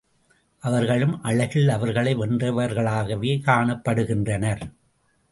அவர்களும் அழகில் அவர்களை வென்றவர்களாகவே காணப்படுகின்றனர்.